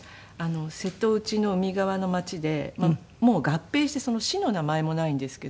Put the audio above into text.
瀬戸内の海側の町でもう合併してその市の名前もないんですけど。